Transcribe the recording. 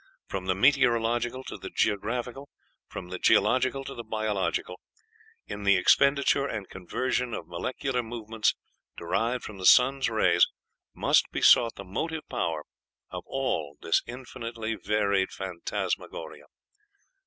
From the meteorological to the geographical, from the geological to the biological, in the expenditure and conversion of molecular movements, derived from the sun's rays, must be sought the motive power of all this infinitely varied phantasmagoria."